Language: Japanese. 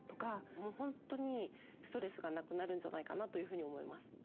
もう本当にストレスがなくなるんじゃないかなというふうに思います。